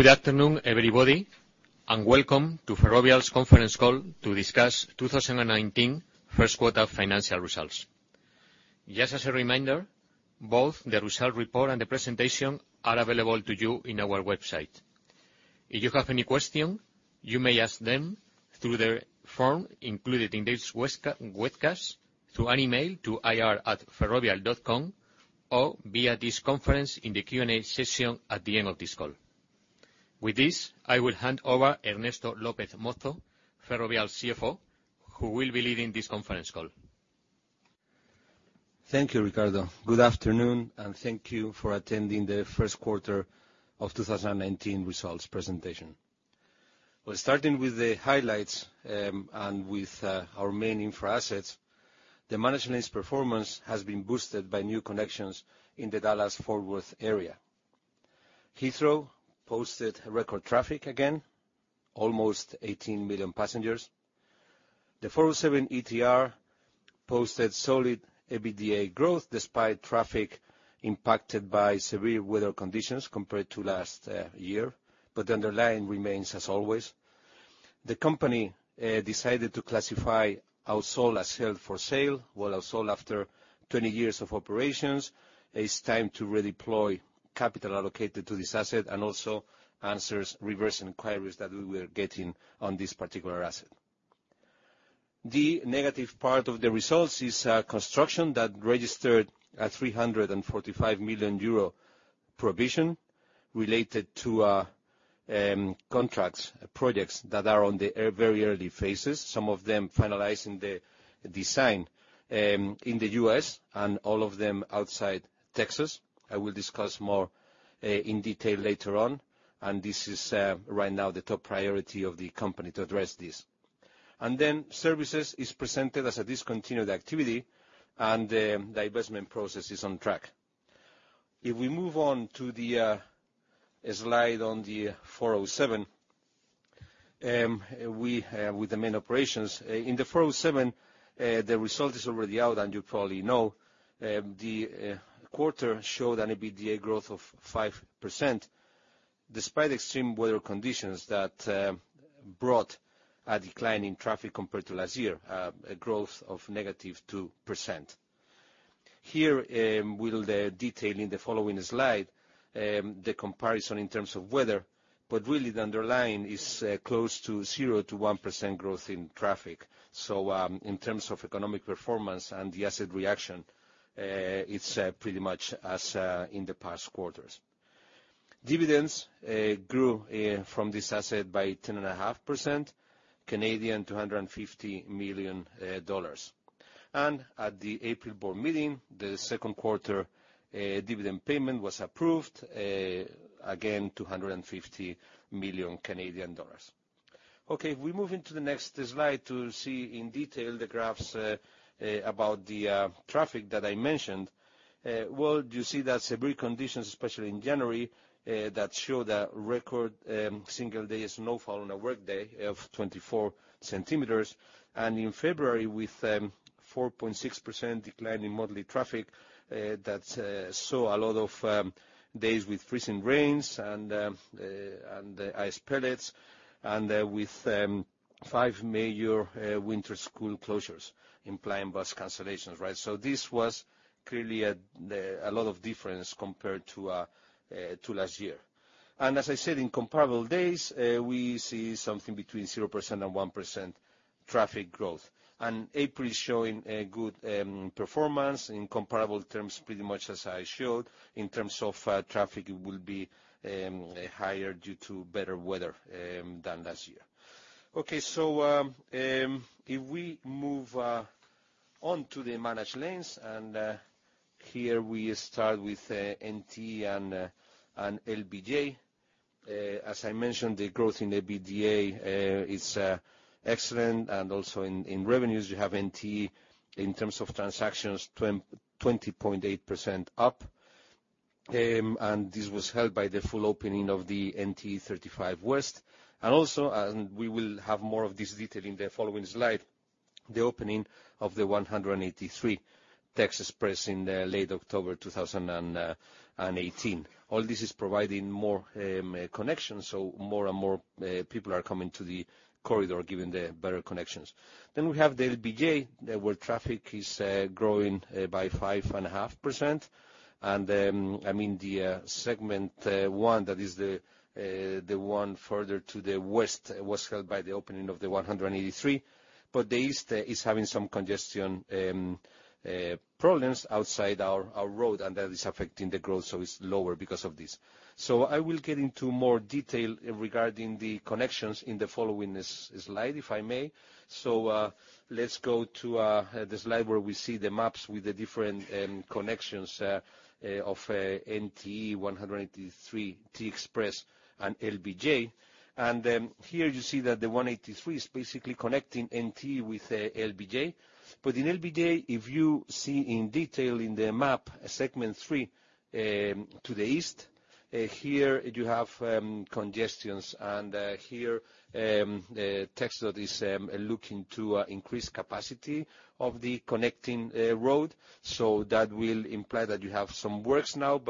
Good afternoon, everybody, welcome to Ferrovial's conference call to discuss 2019 first quarter financial results. Just as a reminder, both the results report and the presentation are available to you on our website. If you have any questions, you may ask them through the form included in this webcast, through an email to ir@ferrovial.com, or via this conference in the Q&A session at the end of this call. With this, I will hand over Ernesto López Mozo, Ferrovial's CFO, who will be leading this conference call. Thank you, Ricardo. Good afternoon, thank you for attending the first quarter of 2019 results presentation. We're starting with the highlights and with our main infra assets. The managed lanes performance has been boosted by new connections in the Dallas-Fort Worth area. Heathrow posted record traffic again, almost 18 million passengers. The 407 ETR posted solid EBITDA growth despite traffic impacted by severe weather conditions compared to last year, but the underlying remains as always. The company decided to classify Ausol as held for sale. Well, Ausol, after 20 years of operations, it's time to redeploy capital allocated to this asset and also answers reverse inquiries that we were getting on this particular asset. The negative part of the results is construction that registered a 345 million euro provision related to contracts, projects that are on the very early phases, some of them finalizing the design, in the U.S. and all of them outside Texas. I will discuss more in detail later on. This is right now the top priority of the company to address this. Services is presented as a discontinued activity, and the divestment process is on track. If we move on to the slide on the 407, with the main operations. In the 407, the result is already out, and you probably know. The quarter showed an EBITDA growth of 5%, despite extreme weather conditions that brought a decline in traffic compared to last year, a growth of -2%. Here, we'll detail in the following slide, the comparison in terms of weather, but really the underlying is close to 0%-1% growth in traffic. In terms of economic performance and the asset reaction, it's pretty much as in the past quarters. Dividends grew from this asset by 10.5%, 250 million Canadian dollars. At the April board meeting, the second quarter dividend payment was approved, again, 250 million Canadian dollars. Okay. If we move into the next slide to see in detail the graphs about the traffic that I mentioned. Well, you see that severe conditions, especially in January, that show the record single day snowfall on a workday of 24 cm, and in February with 4.6% decline in monthly traffic, that saw a lot of days with freezing rains and ice pellets and with five major winter school closures implying bus cancellations. This was clearly a lot of difference compared to last year. As I said, in comparable days, we see something between 0%-1% traffic growth. April is showing a good performance in comparable terms, pretty much as I showed. In terms of traffic, it will be higher due to better weather than last year. If we move on to the managed lanes, here we start with NTE and LBJ. As I mentioned, the growth in EBITDA is excellent, also in revenues. You have NTE in terms of transactions, 20.8% up. This was held by the full opening of the NTE 35 West. Also, we will have more of this detail in the following slide, the opening of the 183 TEXpress in late October 2018. All this is providing more connections. More and more people are coming to the corridor given the better connections. We have the LBJ, where traffic is growing by 5.5%. I mean, the Segment 1, that is the one further to the west, was held by the opening of the 183, the east is having some congestion problems outside our road, that is affecting the growth, it's lower because of this. I will get into more detail regarding the connections in the following slide, if I may. Let's go to the slide where we see the maps with the different connections of NTE 183 TEXpress, and LBJ. Here you see that the 183 is basically connecting NTE with LBJ. In LBJ, if you see in detail in the map, segment three to the east. Here you have congestions, here TxDOT is looking to increase capacity of the connecting road. That will imply that you have some works now,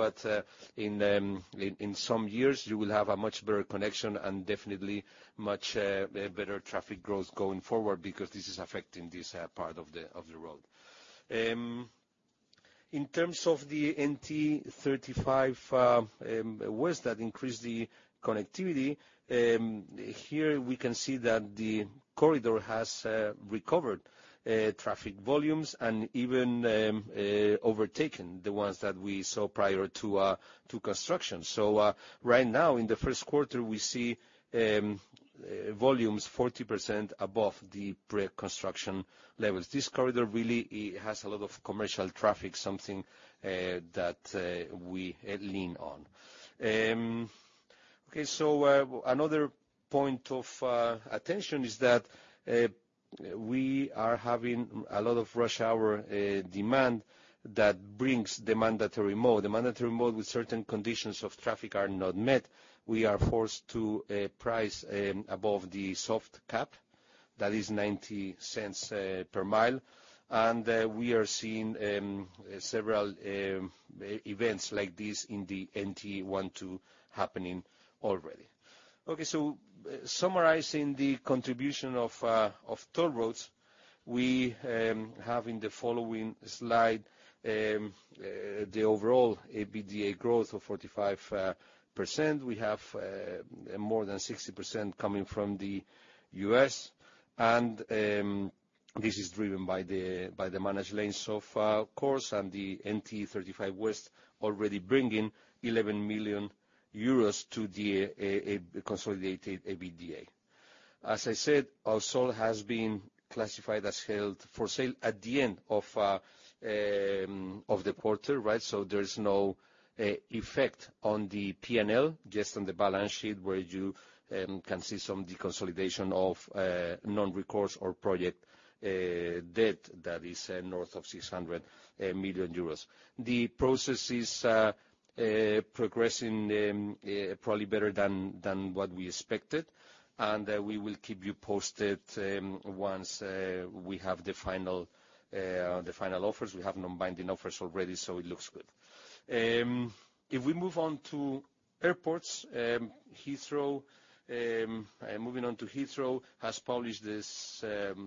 in some years, you will have a much better connection and definitely much better traffic growth going forward because this is affecting this part of the road. In terms of the NTE 35 West that increased the connectivity, here we can see that the corridor has recovered traffic volumes and even overtaken the ones that we saw prior to construction. Right now, in the first quarter, we see volumes 40% above the pre-construction levels. This corridor really has a lot of commercial traffic, something that we lean on. Another point of attention is that we are having a lot of rush hour demand that brings the mandatory mode. The mandatory mode with certain conditions of traffic are not met. We are forced to price above the soft cap, that is 0.90 per mile. We are seeing several events like this in the NTE 1, 2 happening already. Summarizing the contribution of toll roads, we have in the following slide the overall EBITDA growth of 45%. We have more than 60% coming from the U.S., this is driven by the managed lanes of course and the NTE 35 West already bringing 11 million euros to the consolidated EBITDA. As I said, Ausol has been classified as held for sale at the end of the quarter. So there's no effect on the P&L, just on the balance sheet, where you can see some deconsolidation of non-recourse or project debt that is north of EUR 600 million. We will keep you posted once we have the final offers. We have non-binding offers already, so it looks good. If we move on to airports, Heathrow, moving on to Heathrow, has published this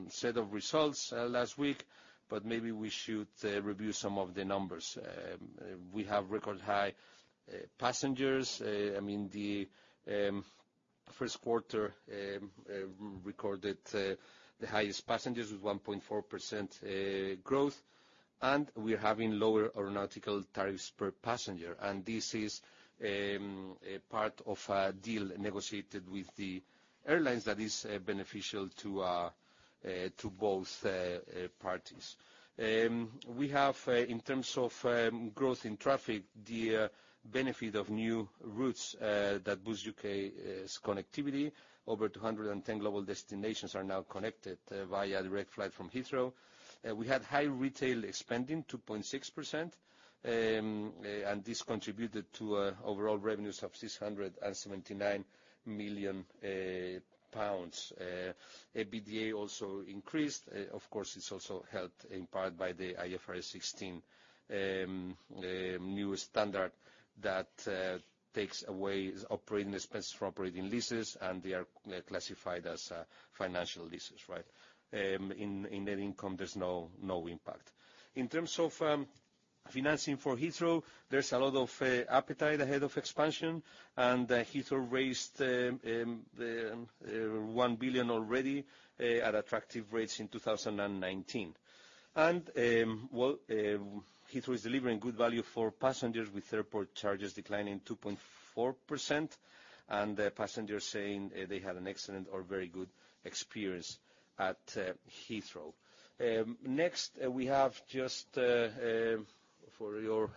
set of results last week, but maybe we should review some of the numbers. We have record high passengers. I mean, the first quarter recorded the highest passengers with 1.4% growth. We're having lower aeronautical tariffs per passenger, and this is part of a deal negotiated with the airlines that is beneficial to both parties. We have, in terms of growth in traffic, the benefit of new routes that boost U.K.'s connectivity. Over 210 global destinations are now connected via direct flight from Heathrow. We had high retail spending, 2.6%, and this contributed to overall revenues of 679 million pounds. EBITDA also increased. Of course, it's also helped in part by the IFRS 16 new standard that takes away operating expenses for operating leases, and they are classified as financial leases. In net income, there's no impact. In terms of financing for Heathrow, there's a lot of appetite ahead of expansion, and Heathrow raised 1 billion already at attractive rates in 2019. Heathrow is delivering good value for passengers with airport charges declining 2.4% and passengers saying they had an excellent or very good experience at Heathrow. Next, we have just for your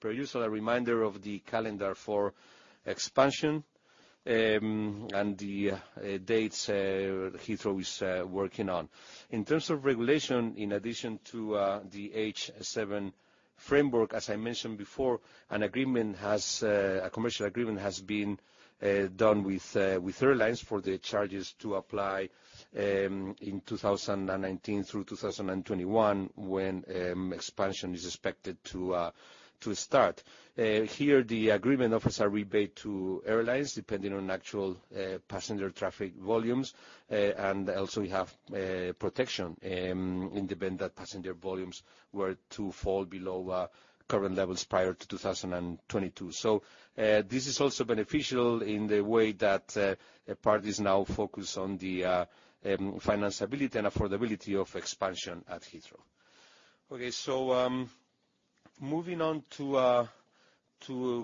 perusal, a reminder of the calendar for expansion, and the dates Heathrow is working on. In terms of regulation, in addition to the H7 framework, as I mentioned before, a commercial agreement has been done with airlines for the charges to apply in 2019 through 2021, when expansion is expected to start. Here, the agreement offers a rebate to airlines depending on actual passenger traffic volumes. Also we have protection in the event that passenger volumes were to fall below current levels prior to 2022. So this is also beneficial in the way that parties now focus on the financeability and affordability of expansion at Heathrow. Moving on to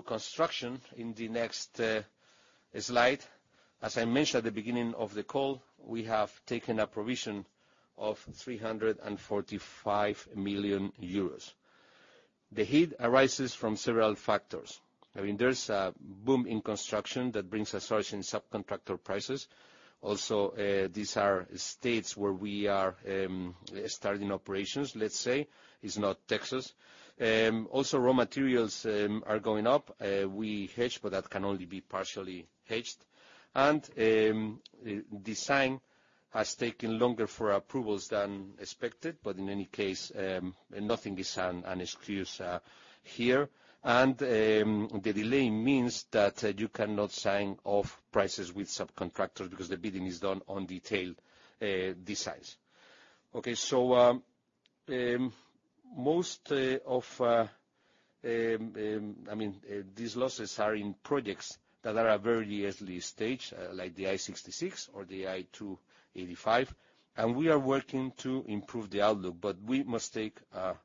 construction in the next slide. As I mentioned at the beginning of the call, we have taken a provision of 345 million euros. The hit arises from several factors. There's a boom in construction that brings a surge in subcontractor prices. Also, these are states where we are starting operations, let's say. It's not Texas. Raw materials are going up. We hedge, but that can only be partially hedged. Design has taken longer for approvals than expected, but in any case, nothing is an excuse here. The delay means that you cannot sign off prices with subcontractors because the bidding is done on detailed designs. Most of these losses are in projects that are at a very early stage, like the I-66 or the I-285. We are working to improve the outlook, but we must take a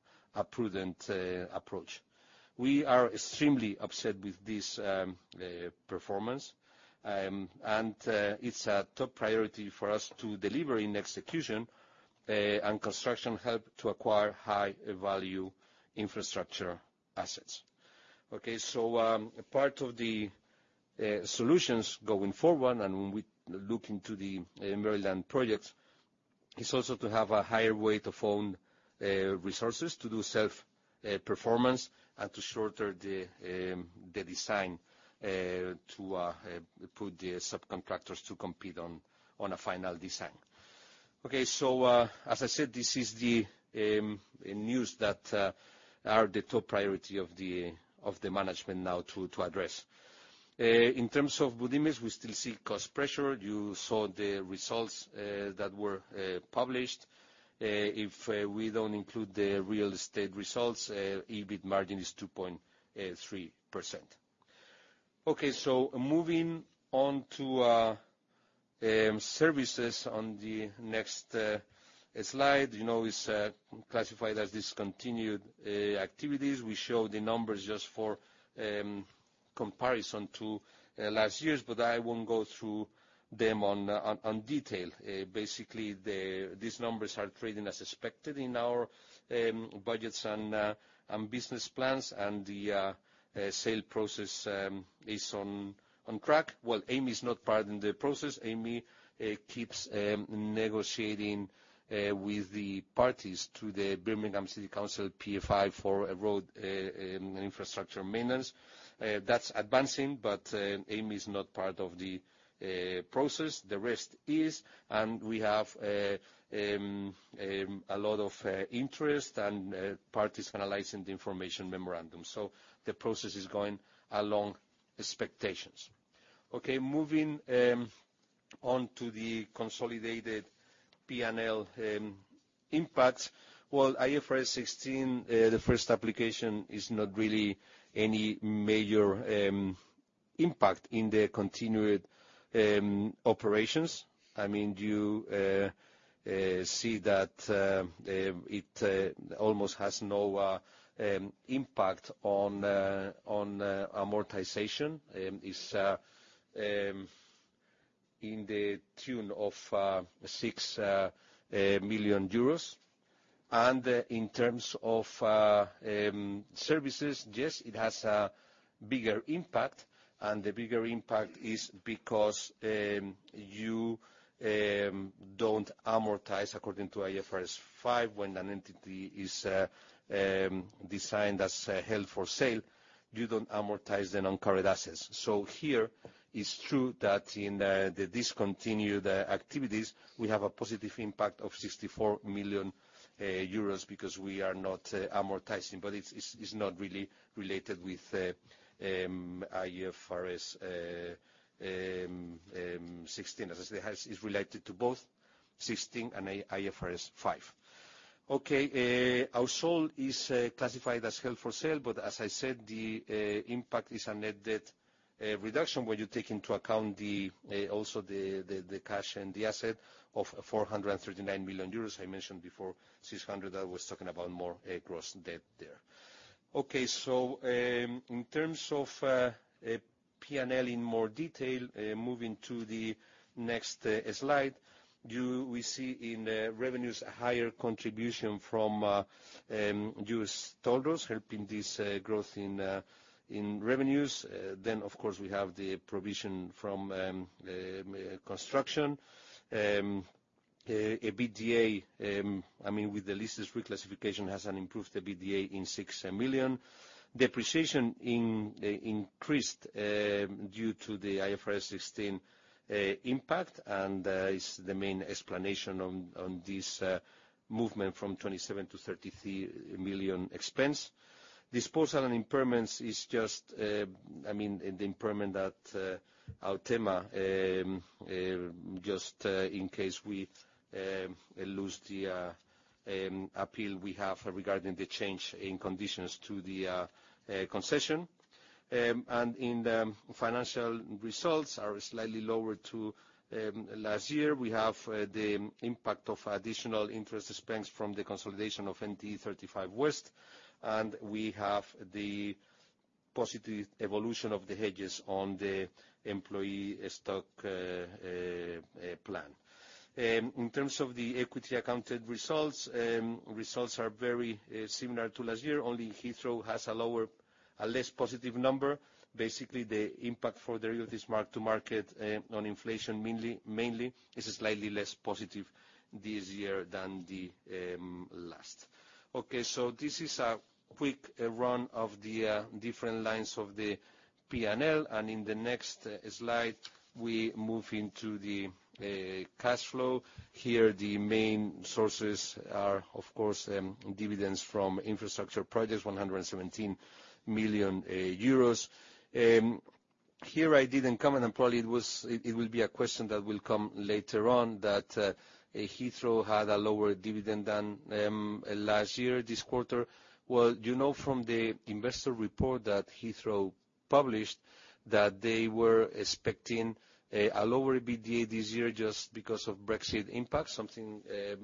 prudent approach. We are extremely upset with this performance. It's a top priority for us to deliver in execution, and construction help to acquire high value infrastructure assets. Part of the solutions going forward, and when we look into the Maryland projects, is also to have a higher way to own resources, to do self-performance, and to shorter the design to put the subcontractors to compete on a final design. As I said, this is the news that are the top priority of the management now to address. In terms of Budimex, we still see cost pressure. You saw the results that were published. If we don't include the real estate results, EBIT margin is 2.3%. Moving on to services on the next slide. It's classified as discontinued activities. We show the numbers just for comparison to last year's, but I won't go through them on detail. Basically, these numbers are trading as expected in our budgets and business plans, and the sale process is on track. Well, Amey is not part in the process. Amey keeps negotiating with the parties to the Birmingham City Council PFI for road infrastructure maintenance. That's advancing, but Amey is not part of the process. We have a lot of interest, and parties analyzing the information memorandum. The process is going along expectations. Moving on to the consolidated P&L impact. IFRS 16, the first application is not really any major impact in the continued operations. You see that it almost has no impact on amortization. It's in the tune of 6 million euros. In terms of services, yes, it has a bigger impact, and the bigger impact is because you don't amortize according to IFRS 5 when an entity is designed as held for sale. You don't amortize the non-current assets. Here, it's true that in the discontinued activities, we have a positive impact of 64 million euros because we are not amortizing, but it's not really related with IFRS 16. As I said, it's related to both 16 and IFRS 5. Ausol is classified as held for sale, but as I said, the impact is a net debt reduction when you take into account also the cash and the asset of 439 million euros. I mentioned before 600 million, I was talking about more gross debt there. In terms of P&L in more detail, moving to the next slide. We see in revenues, a higher contribution from U.S. toll roads helping this growth in revenues. Of course, we have the provision from construction. With the leases reclassification, has improved the EBITDA in 6 million. Depreciation increased due to the IFRS 16 impact, and is the main explanation on this movement from 27 million-33 million expense. Disposal and impairments is just the impairment at Autema, just in case we lose the appeal we have regarding the change in conditions to the concession. In the financial results are slightly lower to last year. We have the impact of additional interest expense from the consolidation of NTE 35W, and we have the positive evolution of the hedges on the employee stock plan. In terms of the equity accounted results are very similar to last year, only Heathrow has a less positive number. Basically, the impact for the real estate mark-to-market on inflation mainly is slightly less positive this year than the last. This is a quick run of the different lines of the P&L. In the next slide, we move into the cash flow. Here, the main sources are, of course, dividends from infrastructure projects, 117 million euros. Here I didn't comment, probably it will be a question that will come later on, that Heathrow had a lower dividend than last year, this quarter. You know from the investor report that Heathrow published that they were expecting a lower EBITDA this year just because of Brexit impact, something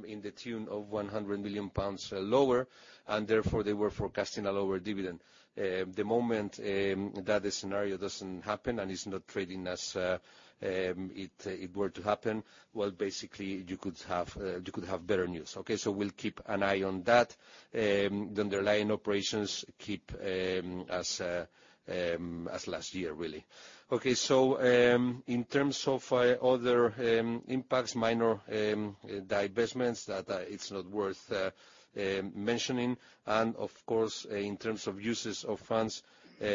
in the tune of 100 million pounds lower, therefore they were forecasting a lower dividend. The moment that scenario doesn't happen and it's not trading as it were to happen, you could have better news. We'll keep an eye on that. The underlying operations keep as last year, really. In terms of other impacts, minor divestments that it's not worth mentioning. Of course, in terms of uses of funds,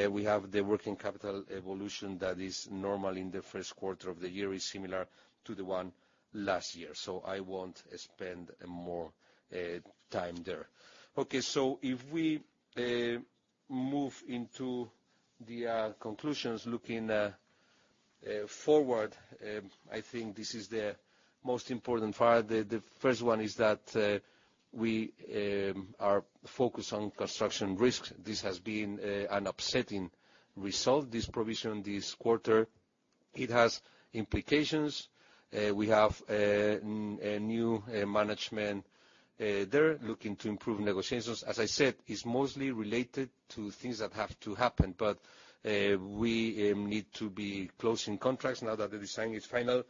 we have the working capital evolution that is normal in the first quarter of the year. It's similar to the one last year. I won't spend more time there. If we move into the conclusions looking forward, I think this is the most important part. The first one is that we are focused on construction risks. This has been an upsetting result, this provision this quarter. It has implications. We have a new management there looking to improve negotiations. As I said, it's mostly related to things that have to happen, we need to be closing contracts now that the design is final,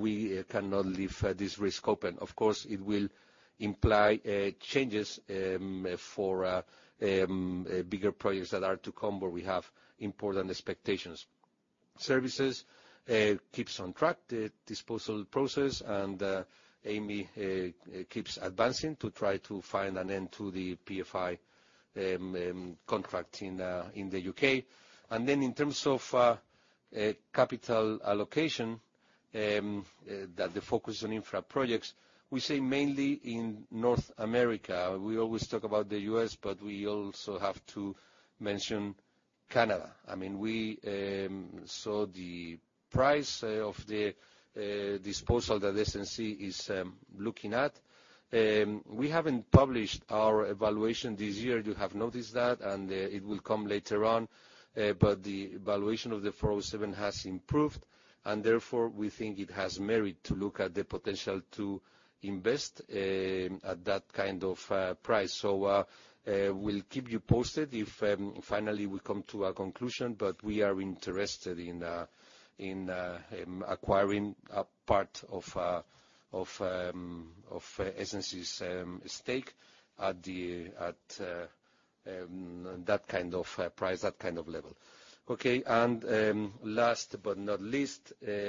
we cannot leave this risk open. Of course, it will imply changes for bigger projects that are to come, where we have important expectations. Services keeps on track. The disposal process and Amey keeps advancing to try to find an end to the PFI contract in the U.K. In terms of capital allocation, the focus on infra projects, we say mainly in North America. We always talk about the U.S., we also have to mention Canada. We saw the price of the disposal that SNC is looking at. We haven't published our evaluation this year, you have noticed that, it will come later on. The valuation of the 407 has improved, therefore, we think it has merit to look at the potential to invest at that kind of price. We'll keep you posted if finally we come to a conclusion, we are interested in acquiring a part of SNC's stake at that kind of price, that kind of level. Last but not least, we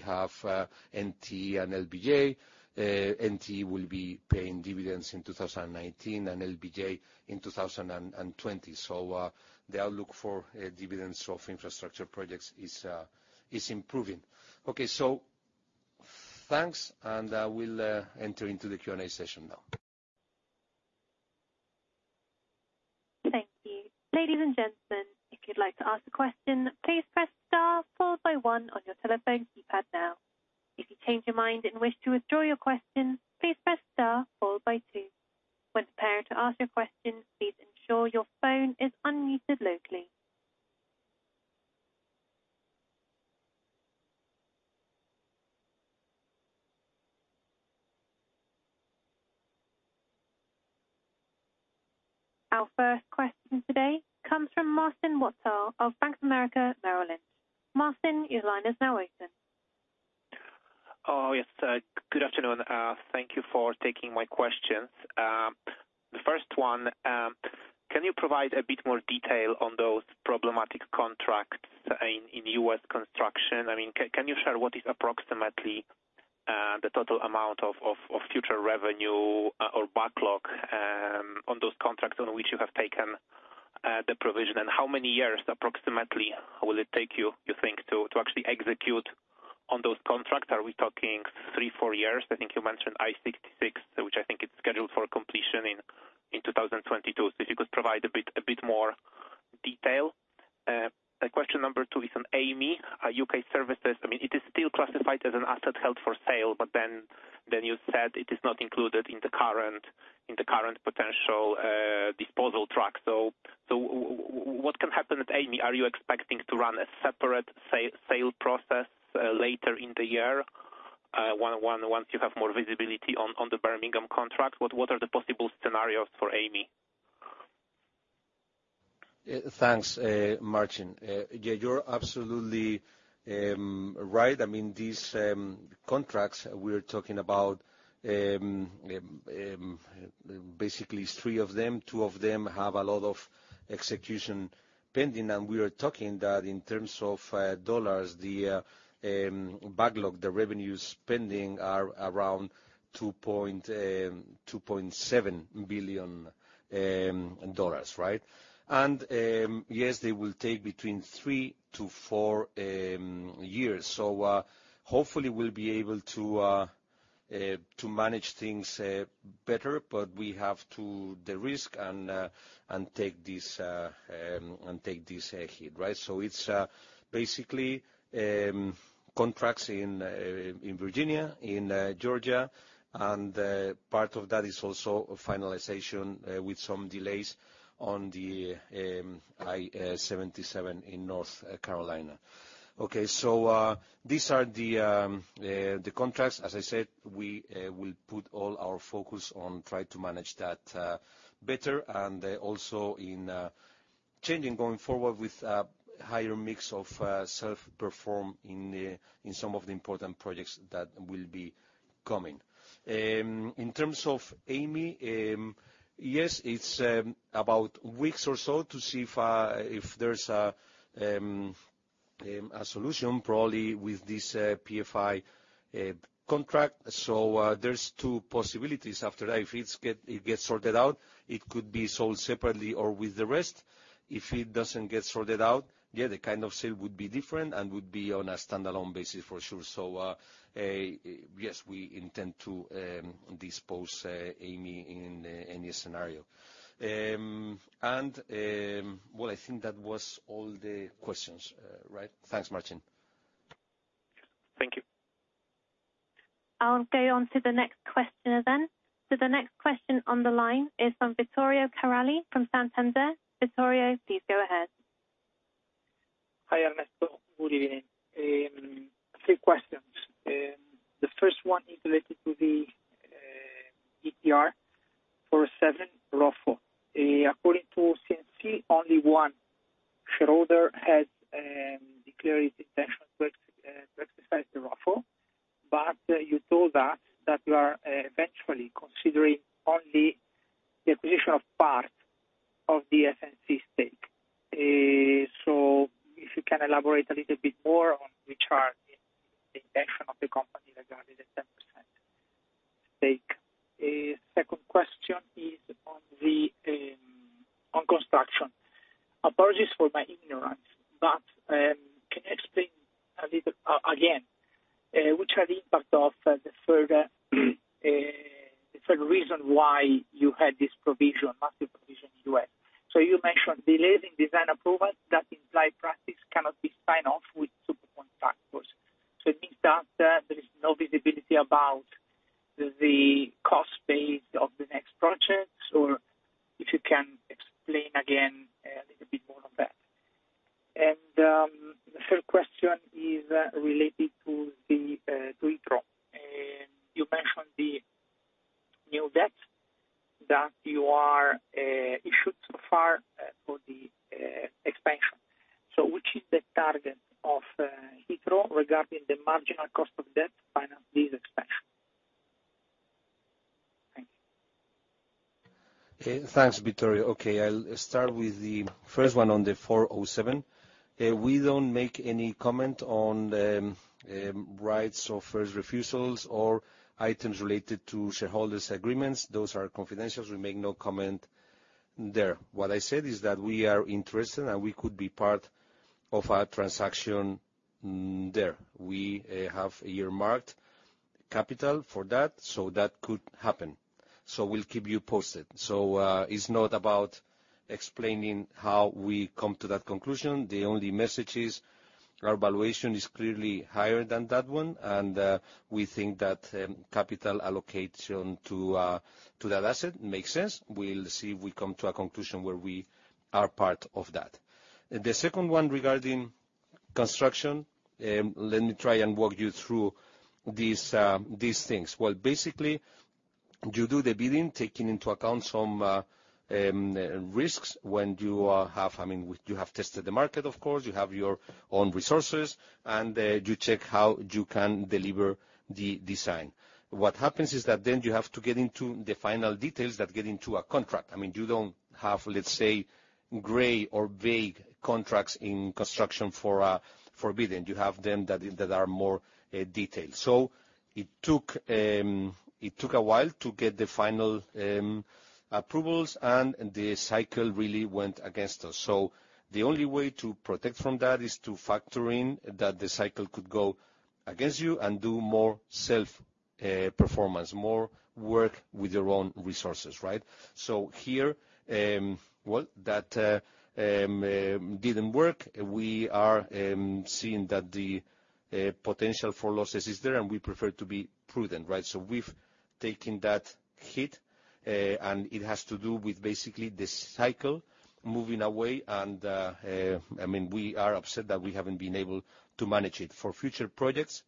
have NTE and LBJ. NTE will be paying dividends in 2019, LBJ in 2020. The outlook for dividends of infrastructure projects is improving. Thanks, we'll enter into the Q&A session now. Thank you. Ladies and gentlemen, if you'd like to ask a question, please press star followed by one on your telephone keypad now. If you change your mind and wish to withdraw your question, please press star followed by two. When prepared to ask your question, please ensure your phone is unmuted locally. Our first question today comes from Marcin Wojtal of Bank of America Merrill Lynch. Marcin, your line is now open. Yes. Good afternoon. Thank you for taking my questions. The first one, can you provide a bit more detail on those problematic contracts in U.S. construction? Can you share what is approximately the total amount of future revenue or backlog on those contracts on which you have taken the provision? How many years approximately will it take you think, to actually execute on those contracts? Are we talking three, four years? I think you mentioned I-66, which I think is scheduled for completion in 2022. If you could provide a bit more detail. Question number two is on Amey, U.K. services. It is still classified as an asset held for sale, you said it is not included in the current potential disposal track. What can happen at Amey? Are you expecting to run a separate sale process later in the year? Once you have more visibility on the Birmingham contract, what are the possible scenarios for Amey? Thanks, Marcin. Yeah, you're absolutely right. These contracts, we're talking about, basically three of them. Two of them have a lot of execution pending. We are talking that in terms of dollars, the backlog, the revenues pending, are around $2.7 billion. Right? Yes, they will take between three to four years. Hopefully we'll be able to manage things better, but we have to de-risk and take this hit. Right? It's basically contracts in Virginia, in Georgia, and part of that is also finalization with some delays on the I-77 in North Carolina. Okay, these are the contracts. As I said, we will put all our focus on trying to manage that better, also in changing going forward with a higher mix of self-perform in some of the important projects that will be coming. In terms of Amey, yes, it's about weeks or so to see if there's a solution, probably, with this PFI contract. There are two possibilities after that. If it gets sorted out, it could be sold separately or with the rest. If it doesn't get sorted out, yeah, the kind of sale would be different and would be on a standalone basis for sure. Yes, we intend to dispose Amey in any scenario. Well, I think that was all the questions, right? Thanks, Marcin. Thank you. I'll go on to the next question, then. The next question on the line is from Vittorio Carelli from Santander. Vittorio, please go ahead. Hi, Ernesto. Good evening. Three questions. The first one is related to the ETR 407 ROFO. According to SNC, only one shareholder has declared its intention to exercise the ROFO. You told us that you are eventually considering only the acquisition of part of the SNC stake. If you can elaborate a little bit more on which are the intention of the company regarding the 10% stake. Second question is on construction. Apologies for my ignorance, but can you explain a little again which are the impact of the further reason why you had this massive provision in the U.S.? You mentioned delays in design approval that in practice cannot be signed off with subcontractors. It means that there is no visibility about the cost base of the next projects, or if you can explain again a little bit more of that. The third question is related to Heathrow. You mentioned the new debt that you are issued so far for the expansion. Which is the target of Heathrow regarding the marginal cost of debt to finance this expansion? Thank you. Thanks, Vittorio. Okay, I'll start with the first one on the 407. We don't make any comment on the rights of first refusals or items related to shareholders' agreements. Those are confidential, we make no comment there. What I said is that we are interested, and we could be part of a transaction there. We have earmarked capital for that could happen. We'll keep you posted. It's not about explaining how we come to that conclusion. The only message is our valuation is clearly higher than that one, and we think that capital allocation to that asset makes sense. We'll see if we come to a conclusion where we are part of that. The second one, regarding construction, let me try and walk you through these things. Well, basically, you do the bidding, taking into account some risks when you have tested the market, of course, you have your own resources, and you check how you can deliver the design. What happens is that then you have to get into the final details that get into a contract. You don't have, let's say, gray or vague contracts in construction for bidding. You have them that are more detailed. It took a while to get the final approvals, and the cycle really went against us. The only way to protect from that is to factor in that the cycle could go against you and do more self-performance, more work with your own resources. Right? Here, well, that didn't work. We are seeing that the potential for losses is there, and we prefer to be prudent. Right? We've taken that hit, and it has to do with basically the cycle moving away, and we are upset that we haven't been able to manage it. For future projects.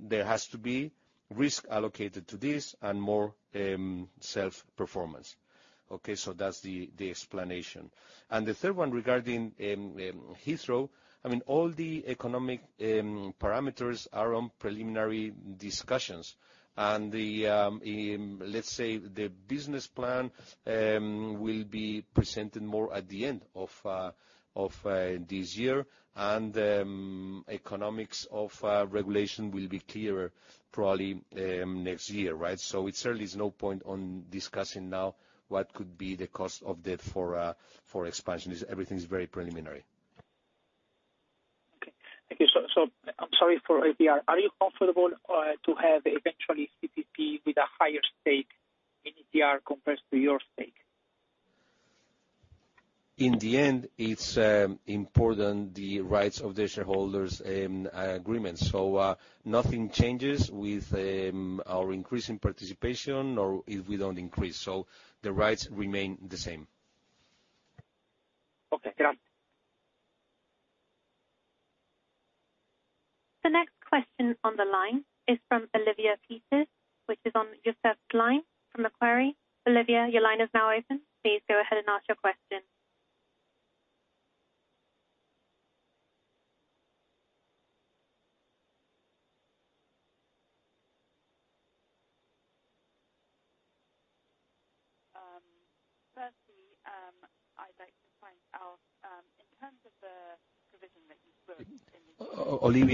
There has to be risk allocated to this and more self-performance. Okay, that's the explanation. The third one, regarding Heathrow, all the economic parameters are on preliminary discussions. Let's say, the business plan will be presented more at the end of this year, and the economics of regulation will be clearer probably next year. It certainly is no point on discussing now what could be the cost of debt for expansion. Everything's very preliminary. Okay. Thank you. I'm sorry for ETR. Are you comfortable to have eventually with a higher stake in ETR compared to your stake? To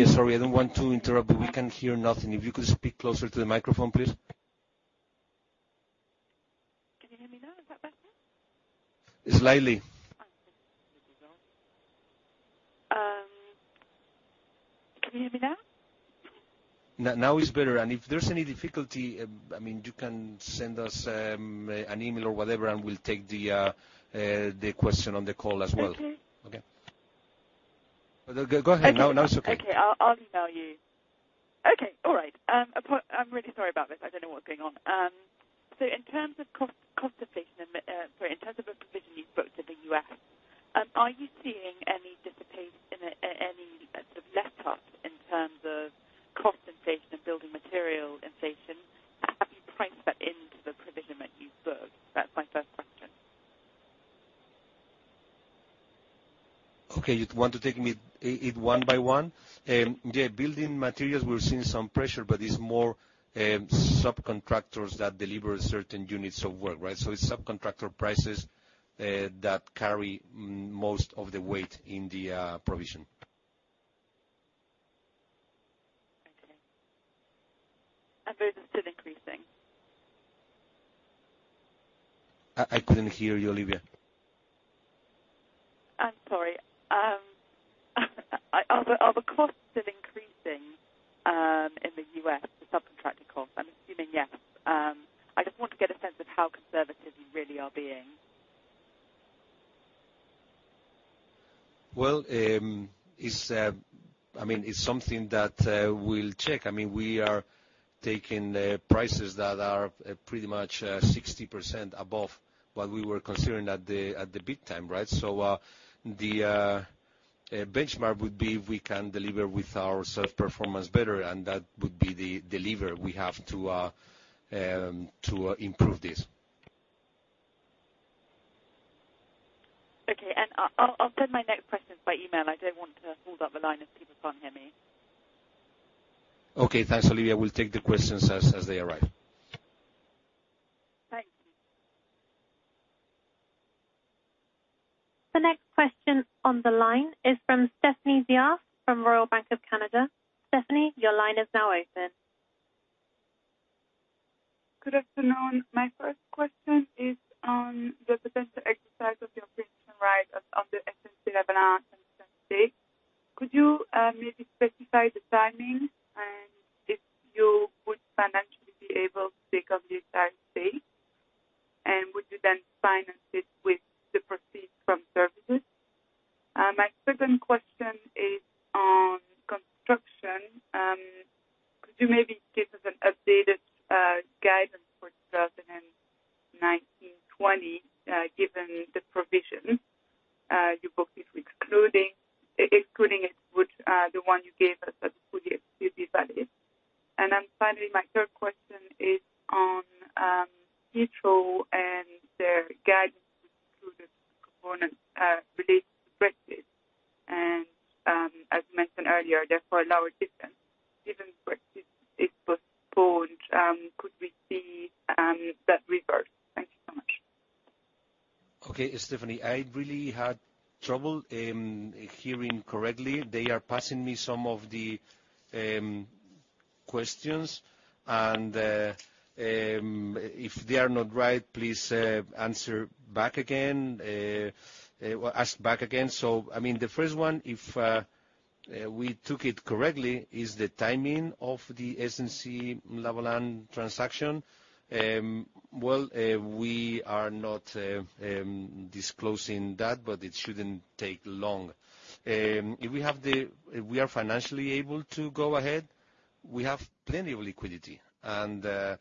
this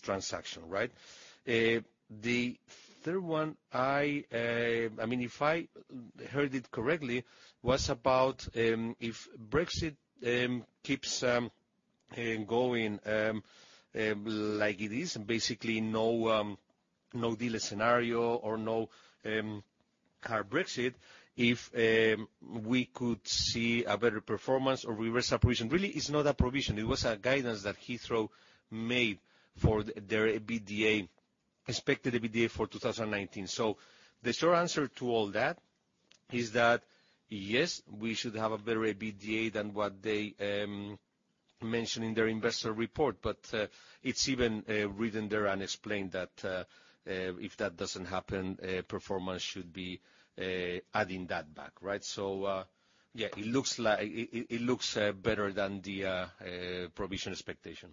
transaction, right? The third one, if I heard it correctly, was about if Brexit keeps going like it is, basically no dealer scenario or no hard Brexit, if we could see a better performance or reverse separation. Really, it's not a provision. It was a guidance that Heathrow made for their expected EBITDA for 2019. The short answer to all that is that, yes, we should have a better EBITDA than what they mentioned in their investor report. It's even written there and explained that if that doesn't happen, performance should be adding that back. Right? Yeah. It looks better than the provision expectation.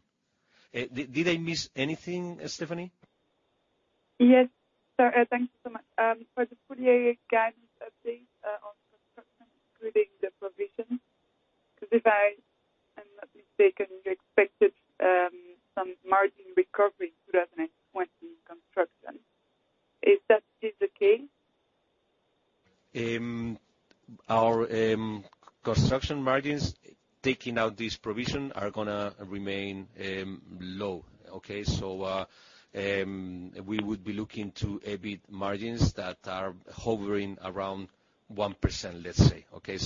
Did I miss anything, Stephanie? Yes, sir. Thanks so much. For the full-year guidance update on construction, including the provision, because if I am not mistaken, you expected some margin recovery in 2020 in construction. Is that still the case? Our construction margins, taking out this provision, are going to remain low. Okay? We would be looking to EBIT margins that are hovering around 1%, let's say. Okay?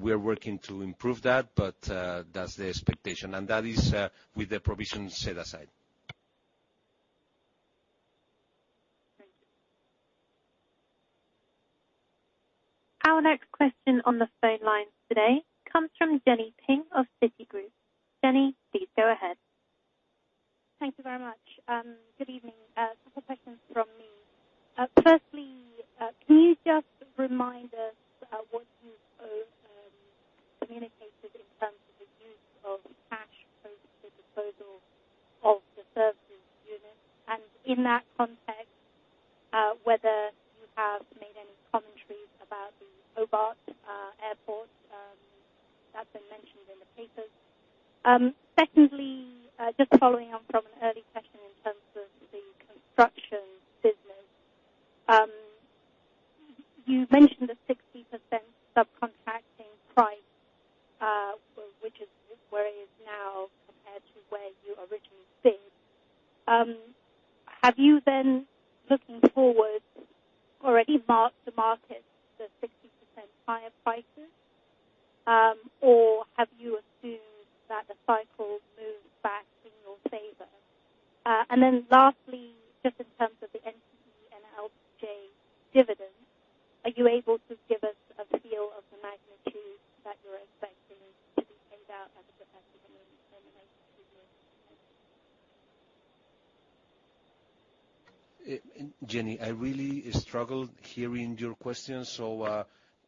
We are working to improve that, but that's the expectation, and that is with the provision set aside. Thank you. Our next question on the phone line today comes from Jenny Ping of Citigroup. Jenny, please go ahead. Thank you very much. Good evening. A couple questions from me. Firstly, can you just remind us what you communicated in terms of the use of cash post the disposal of the services unit? And in that context, whether you have made any commentaries about the Hobart Airport, that's been mentioned in the papers. Secondly, just following on from an early question in terms of the construction business. You mentioned a 60% subcontracting price, which is where it is now compared to where you originally bid. Have you been looking forward, already marked to market, the 60% higher prices? Or have you assumed that the cycle moved back in your favor? And then lastly, just in terms of the NTE and LBJ dividends, are you able to give us a feel of the magnitude that you're expecting to be paid out as a percentage in relation to the? Jenny, I really struggled hearing your question.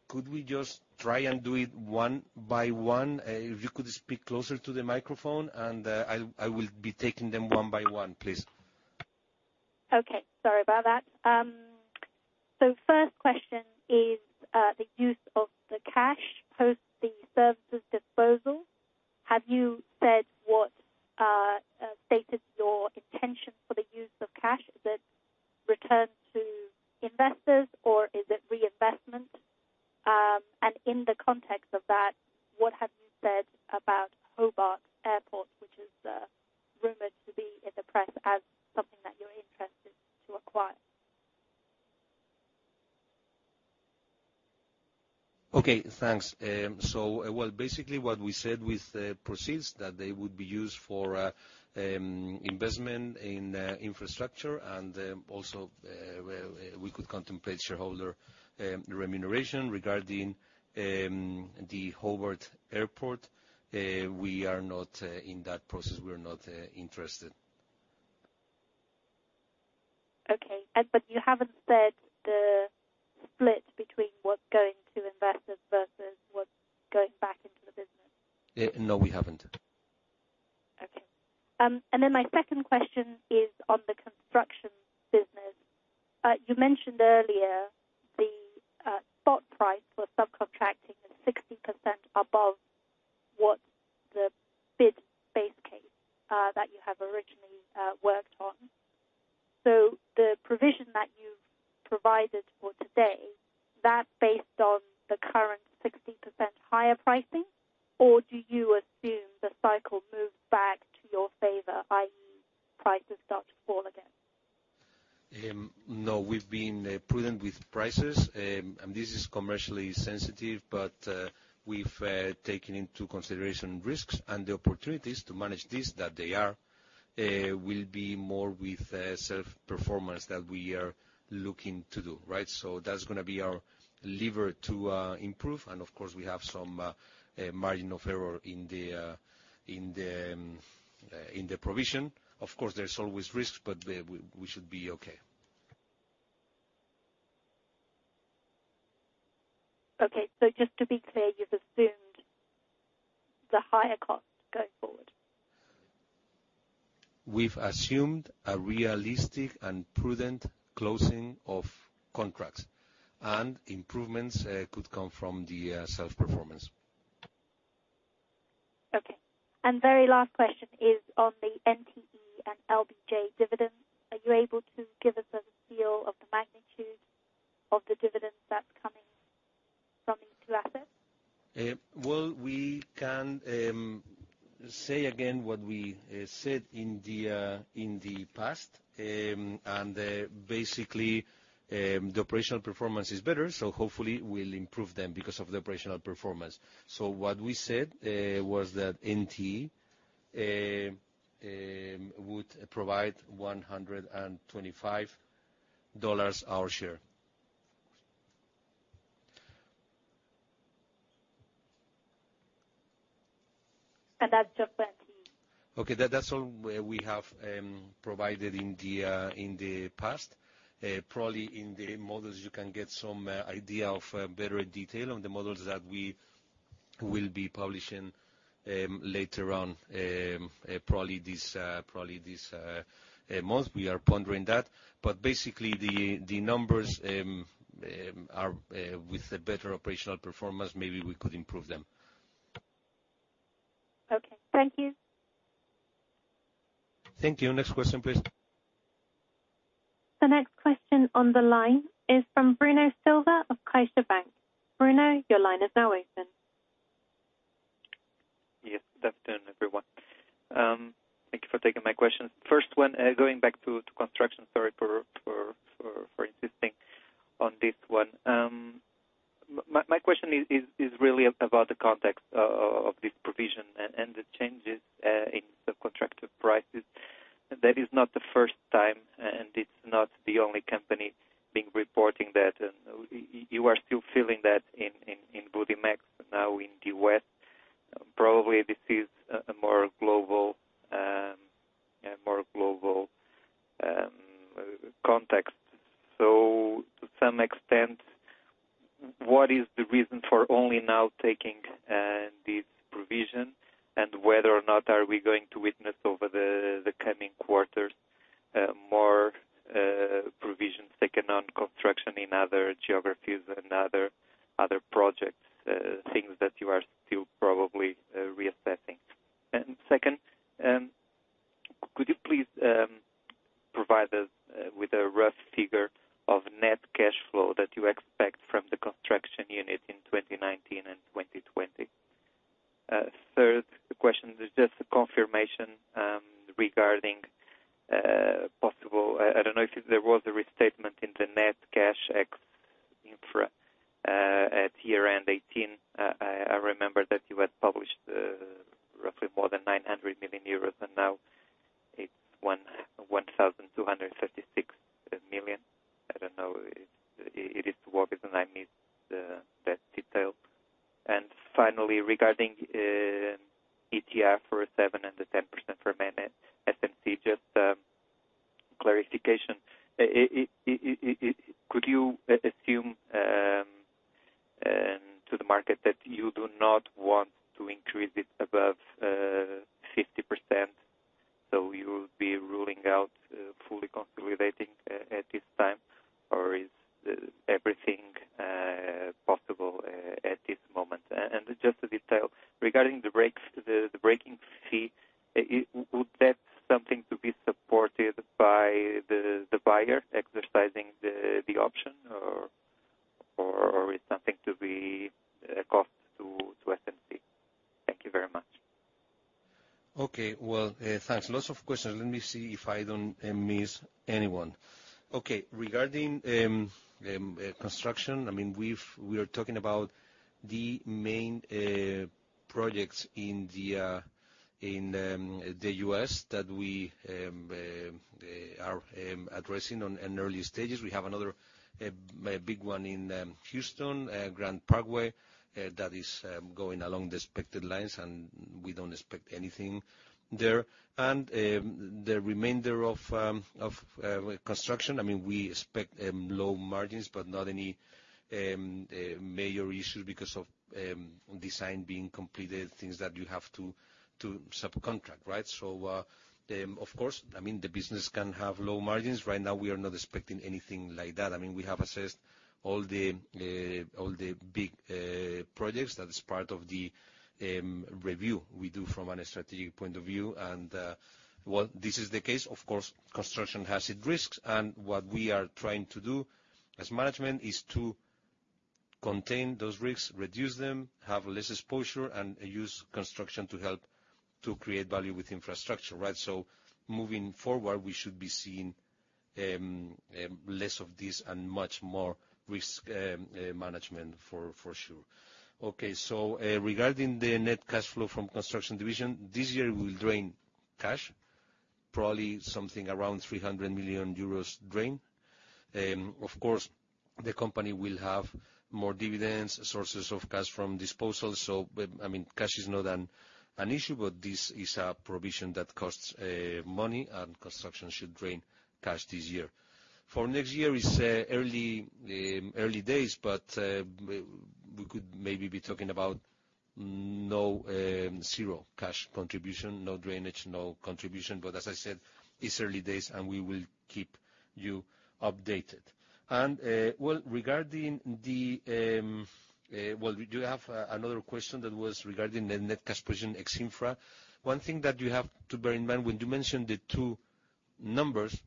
Could we just try and do it one by one? If you could speak closer to the microphone, and I will be taking them one by one, please. Okay. Sorry about that. First question is the use of the cash post the services disposal. Have you said what stated your intention for the use of cash? Is it return to investors, or is it reinvestment? In the context of that, what have you said about Hobart Airport, which is rumored to be in the press as something that you're interested to acquire? Okay. Thanks. Well, basically what we said with the proceeds, that they would be used for investment in infrastructure and also, we could contemplate shareholder remuneration. Regarding the Hobart Airport, we are not in that process. We are not interested. Okay. You haven't said the split between what's going to investors versus what's going back into the business. No, we haven't. Then my second question is on the construction business. You mentioned earlier the spot price for subcontracting is 60% above what the bid base case that you have originally worked on. The provision that you've provided for today, is that based on the current 60% higher pricing, or do you assume the cycle moves back to your favor, i.e., prices start to fall again? No, we've been prudent with prices. This is commercially sensitive, but we've taken into consideration risks and the opportunities to manage this, that they will be more with self-performance that we are looking to do. Right? That's going to be our lever to improve. Of course, we have some margin of error in the provision. Of course, there's always risks, but we should be okay. Okay. Just to be clear, you've assumed the higher cost going forward? We've assumed a realistic and prudent closing of contracts, improvements could come from the sales performance. Okay. Very last question is on the NTE and LBJ dividends. Are you able to give us a feel of the magnitude of the dividends that's coming from these two assets? Well, we can say again what we said in the past, basically, the operational performance is better, hopefully we'll improve them because of the operational performance. What we said was that NTE would provide $125 million our share. That's just NTE. Okay. That's all we have provided in the past. Probably in the models, you can get some idea of better detail on the models that we will be publishing later on, probably this month. We are pondering that. Basically, the numbers with a better operational performance, maybe we could improve them. Okay. Thank you. Thank you. Next question, please. The next question on the line is from Bruno Silva of CaixaBank. Bruno, your line is now open. Yes. Good afternoon, everyone. Thank you for taking my questions. First one, going back to construction, sorry for insisting on this one. My question is really about the context of this provision and the changes in the contracted prices. That is not the first time, and it is not the only company reporting that. You are still feeling that in Budimex, now in the West. Probably this is a more global context. To some extent, what is the reason for only now taking this provision, and whether or not are we going to witness over the coming quarters more provisions taken on construction in other geographies and other projects, things that you are still probably reassessing? Second, could you please provide us with a rough figure of net cash flow that you expect The remainder of construction, we expect low margins, but not any major issues because of design being completed, things that you have to subcontract. Of course, the business can have low margins. Right now, we are not expecting anything like that. We have assessed all the big projects that is part of the review we do from a strategic point of view. While this is the case, of course, construction has its risks, and what we are trying to do as management is to contain those risks, reduce them, have less exposure, and use construction to help to create value with infrastructure. Moving forward, we should be seeing less of this and much more risk management for sure. Okay. Regarding the net cash flow from construction division, this year we'll drain cash, probably something around 300 million euros drain. Of course, the company will have more dividends, sources of cash from disposals. Cash is not an issue, but this is a provision that costs money, construction should drain cash this year. For next year, it's early days, but we could maybe be talking about zero cash contribution. No drainage, no contribution. But as I said, it's early days, and we will keep you updated. You have another question that was regarding the net cash position ex-infra. One thing that you have to bear in mind when you mention the two numbers,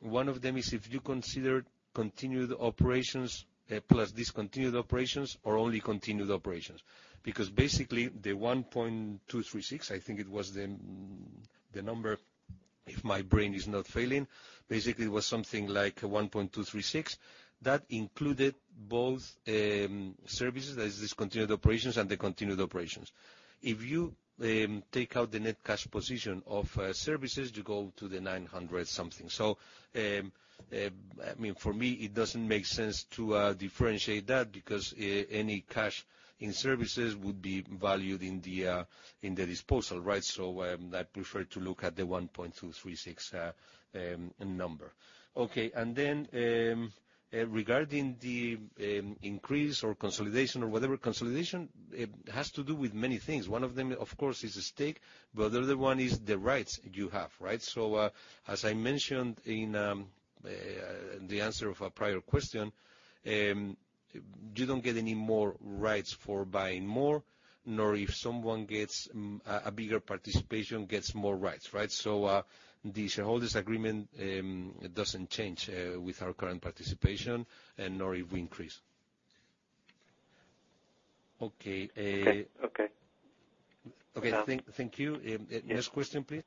one of them is if you consider continued operations plus discontinued operations or only continued operations. Because basically the 1.236 billion, I think it was the number, if my brain is not failing, basically it was something like 1.236 billion, that included both services, that is discontinued operations and the continued operations. If you take out the net cash position of services, you go to the 900-something million. For me, it doesn't make sense to differentiate that because any cash in services would be valued in the disposal. I prefer to look at the 1.236 billion number. Okay. Then, regarding the increase or consolidation or whatever consolidation, it has to do with many things. One of them, of course, is the stake. The other one is the rights you have. As I mentioned in the answer of a prior question, you don't get any more rights for buying more, nor if someone gets a bigger participation gets more rights. The shareholders' agreement doesn't change with our current participation, nor if we increase. Okay. Okay. Okay. Thank you. Next question, please.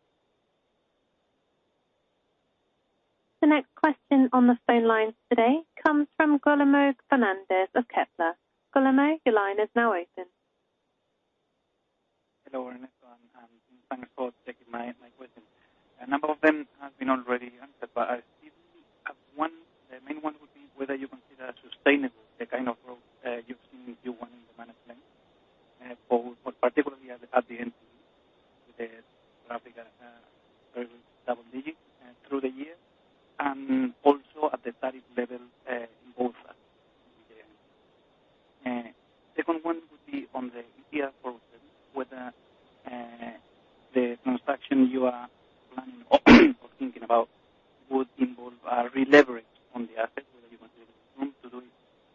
The next question on the phone line today comes from Guillermo Fernandez of Kepler. Guillermo, your line is now open. Hello, Ernesto. Thanks for taking my question. A number of them have been already answered. The main one would be whether you consider sustainable, the kind of growth that you've seen Q1 in the management, both particularly at the NTE with the traffic double-digit through the year, and also at the tariff level in both Yeah. Second one would be on the ETR process, whether the construction you are planning or thinking about would involve a releverage on the asset, whether you consider the room to do it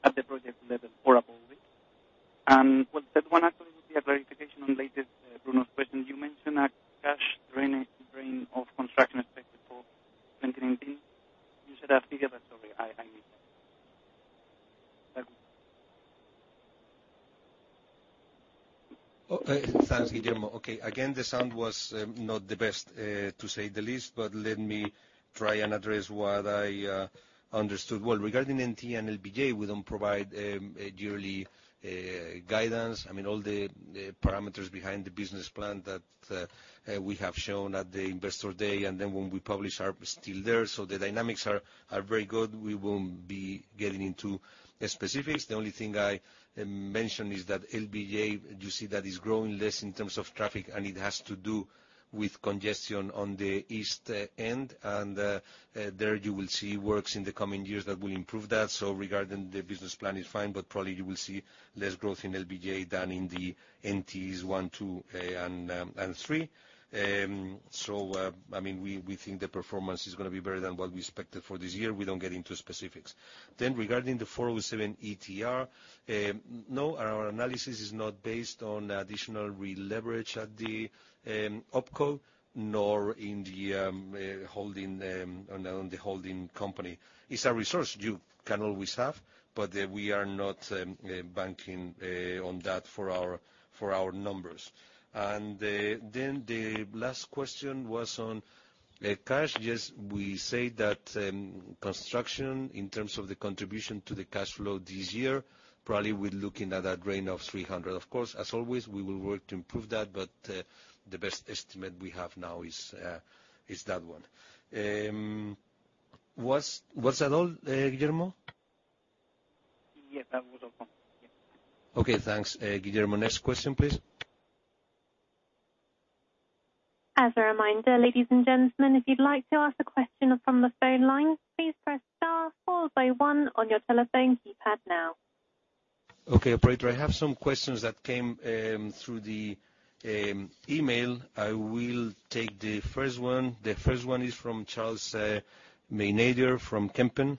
at the project level or above it. The third one actually would be a clarification on latest Bruno's question. You mentioned a cash drain of construction expected for 2019. You said a figure, but sorry, I missed that. Thank you. Thanks, Guillermo. Okay. Again, the sound was not the best, to say the least, but let me try and address what I understood. Well, regarding NTE and LBJ, we don't provide a yearly guidance. All the parameters behind the business plan that we have shown at the investor day, and then when we publish, are still there. The dynamics are very good. We won't be getting into specifics. The only thing I mention is that LBJ, you see that is growing less in terms of traffic, and it has to do with congestion on the east end. There you will see works in the coming years that will improve that. Regarding the business plan is fine, but probably you will see less growth in LBJ than in the NTEs 1, 2, and 3. We think the performance is going to be better than what we expected for this year. We don't get into specifics. Regarding the 407 ETR, no, our analysis is not based on additional releverage at the opco nor on the holding company. It's a resource you can always have, but we are not banking on that for our numbers. The last question was on cash. Yes, we say that construction, in terms of the contribution to the cash flow this year, probably we're looking at a drain of 300 million. Of course, as always, we will work to improve that, but the best estimate we have now is that one. Was that all, Guillermo? Yes, that was all. Thank you. Okay, thanks, Guillermo. Next question, please. As a reminder, ladies and gentlemen, if you'd like to ask a question from the phone line, please press star followed by one on your telephone keypad now. Okay. Operator, I have some questions that came through the email. I will take the first one. The first one is from Charles Maynadier from Kempen,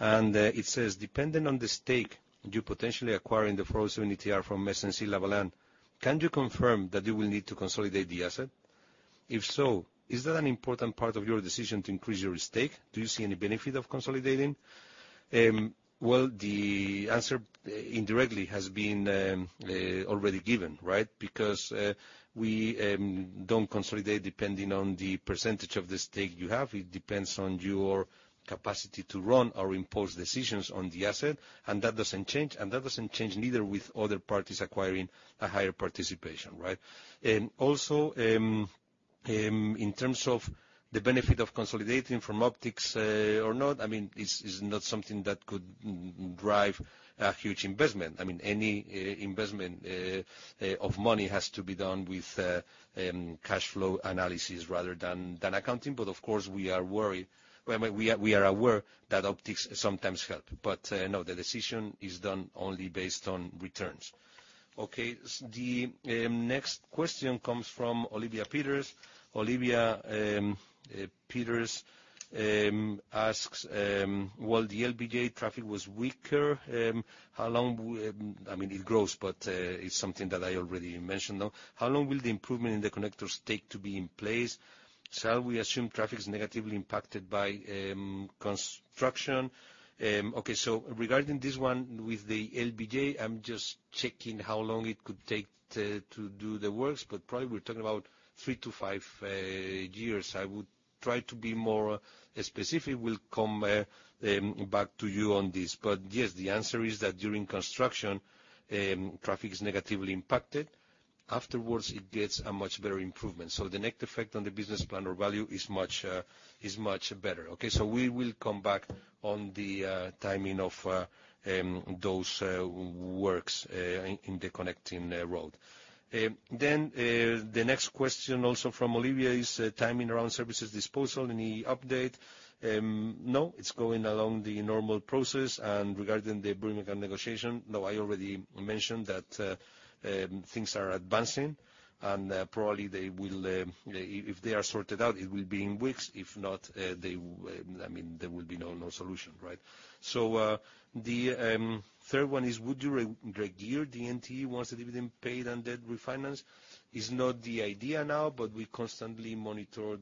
it says: Depending on the stake you're potentially acquiring the 407 ETR from SNC-Lavalin, can you confirm that you will need to consolidate the asset? If so, is that an important part of your decision to increase your stake? Do you see any benefit of consolidating? The answer indirectly has been already given. We don't consolidate depending on the percentage of the stake you have. It depends on your capacity to run or impose decisions on the asset, and that doesn't change. That doesn't change neither with other parties acquiring a higher participation. In terms of the benefit of consolidating from optics or not, it's not something that could drive a huge investment. Any investment of money has to be done with cash flow analysis rather than accounting. Of course, we are aware that optics sometimes help. No, the decision is done only based on returns. Okay. The next question comes from Olivia Peters. Olivia Peters asks, while the LBJ traffic was weaker, it grows, but it's something that I already mentioned. How long will the improvement in the connectors take to be in place? Shall we assume traffic's negatively impacted by construction? Okay. Regarding this one with the LBJ, I'm just checking how long it could take to do the works, but probably we're talking about three to five years. I would try to be more specific, we'll come back to you on this. Yes, the answer is that during construction, traffic is negatively impacted. Afterwards, it gets a much better improvement. The net effect on the business plan or value is much better. Okay. We will come back on the timing of those works in the connecting road. The next question, also from Olivia, is timing around services disposal. Any update? No. It is going along the normal process, and regarding the Birmingham negotiation, no, I already mentioned that things are advancing, and probably if they are sorted out, it will be in weeks. If not, there will be no solution, right? The third one is, would you regear the NTE once the dividend paid and debt refinanced? It is not the idea now, but we constantly monitor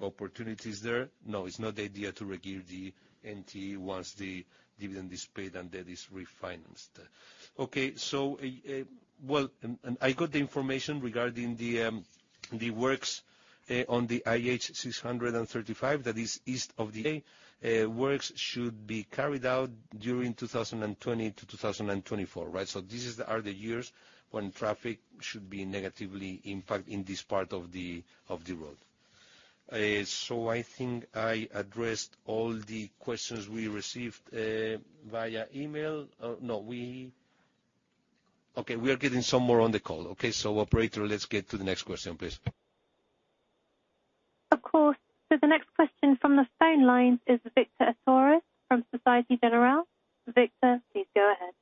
opportunities there. No, it's not the idea to regear the NTE once the dividend is paid and debt is refinanced. Okay. I got the information regarding the works on the IH 635, that is east of the A, works should be carried out during 2020 to 2024, right? These are the years when traffic should be negatively impact in this part of the road. I think I addressed all the questions we received via email. No. Okay, we are getting some more on the call. Okay, operator, let's get to the next question, please. Of course. The next question from the phone lines is Victor Acitores from Société Générale. Victor, please go ahead.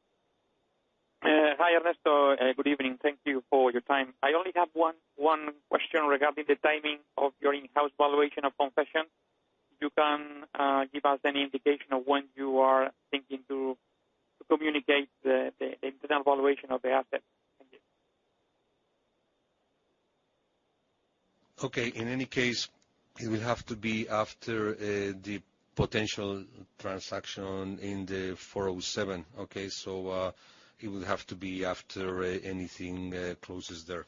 Hi, Ernesto. Good evening. Thank you for your time. I only have one question regarding the timing of your in-house valuation of concessions. You can give us any indication of when you are thinking to communicate the internal valuation of the assets? Thank you. Okay. In any case, it will have to be after the potential transaction in the 407. Okay. It will have to be after anything closes there,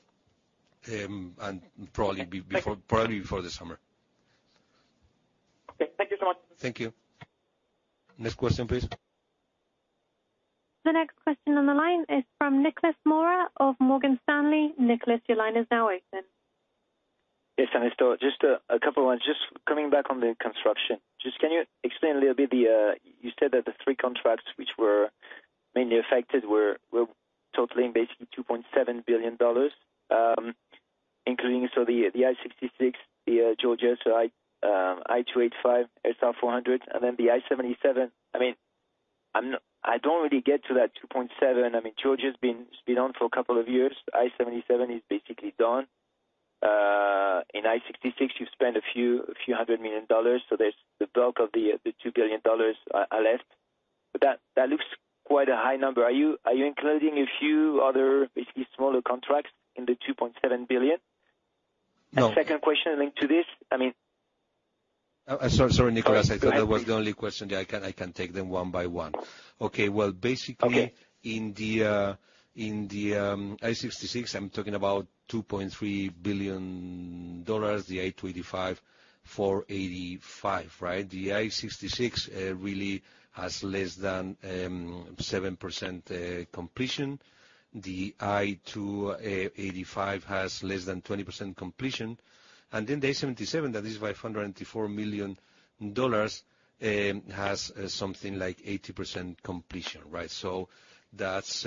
and probably before the summer. Okay. Thank you so much. Thank you. Next question, please. The next question on the line is from Nicolas Mora of Morgan Stanley. Nicolas, your line is now open. Yes, Ernesto. Just a couple of ones. Just coming back on the construction, just can you explain a little bit, you said that the three contracts which were mainly affected were totaling basically $2.7 billion, including the I-66, the Georgia, so I-285, SR 400, and then the I-77. I don't really get to that $2.7 billion. Georgia's been on for a couple of years. I-77 is basically done. In I-66, you've spent a few hundred million dollars, so the bulk of the $2 billion are left. That looks quite a high number. Are you including a few other basically smaller contracts in the $2.7 billion? No. Second question linked to this- Sorry, Nicolas. I thought that was the only question. I can take them one by one. Okay. Well, basically- Okay in the I-66, I'm talking about $2.3 billion, the I-285, SR 400, right? The I-66 really has less than 7% completion. The I-285 has less than 20% completion. Then the I-77, that is $594 million, has something like 80% completion, right? That's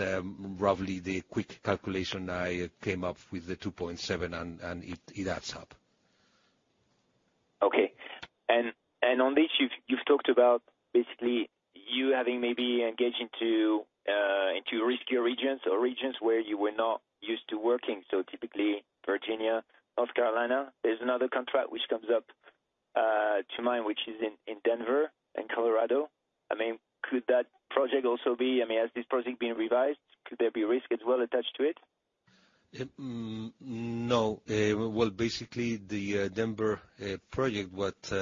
roughly the quick calculation I came up with the $2.7 billion, and it adds up. On this, you've talked about basically you having maybe engaging into riskier regions or regions where you were not used to working, so typically Virginia, North Carolina. There's another contract which comes up to mind, which is in Denver and Colorado. Could that project also be? Has this project been revised? Could there be risk as well attached to it? No. Well, basically the Denver project, what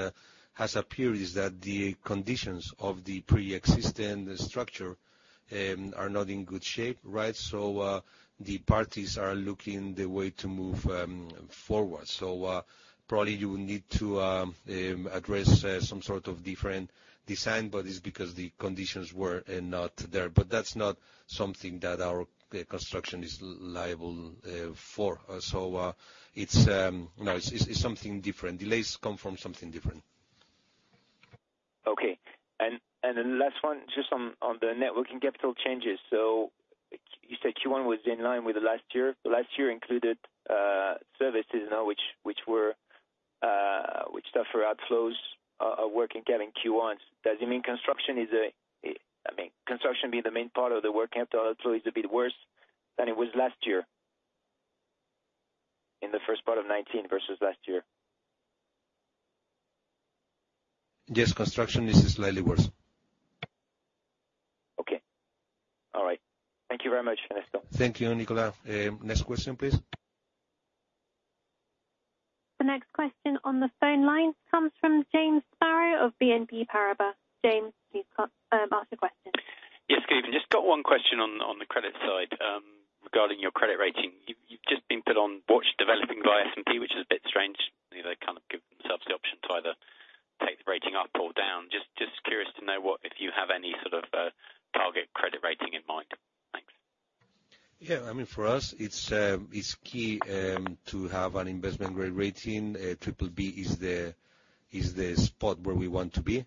has appeared is that the conditions of the preexisting structure are not in good shape, right? The parties are looking the way to move forward. Probably you will need to address some sort of different design, but it's because the conditions were not there. That's not something that our construction is liable for. It's something different. Delays come from something different. Okay. Last one, just on the net working capital changes. You said Q1 was in line with the last year. The last year included services now which were suffer outflows of working cap in Q1. Does it mean construction being the main part of the working capital outflows a bit worse than it was last year, in the first part of 2019 versus last year? Yes, construction is slightly worse. Okay. All right. Thank you very much, Ernesto. Thank you, Nicolas. Next question, please. The next question on the phone line comes from James Sparrow of BNP Paribas. James, please ask the question. Yes, good evening. Just got one question on the credit side, regarding your credit rating. You've just been put on watch, developing by S&P, which is a bit strange. They kind of give themselves the option to either take the rating up or down. Just curious to know if you have any sort of target credit rating in mind. Thanks. Yeah. For us, it's key to have an investment-grade rating. Triple B is the spot where we want to be.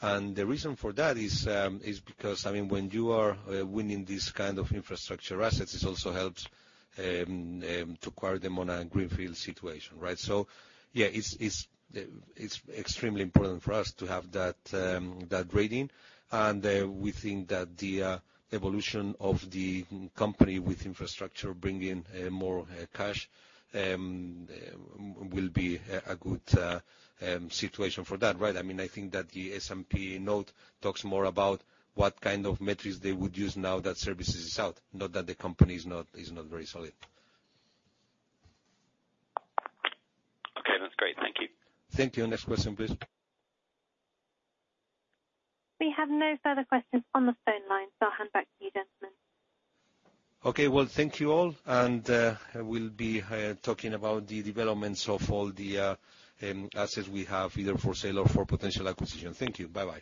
The reason for that is because when you are winning this kind of infrastructure assets, it also helps to acquire them on a greenfield situation, right? Yeah, it's extremely important for us to have that rating. We think that the evolution of the company with infrastructure bringing more cash will be a good situation for that, right? I think that the S&P note talks more about what kind of metrics they would use now that services is out. Not that the company is not very solid. Okay. That's great. Thank you. Thank you. Next question, please. We have no further questions on the phone line, I'll hand back to you, gentlemen. Okay. Well, thank you all. We'll be talking about the developments of all the assets we have, either for sale or for potential acquisition. Thank you. Bye-bye.